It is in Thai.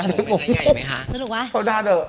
ไส้ใหญ่ไหมฮะสรุปวะผ่าวด้าเดิม